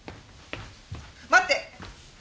待って！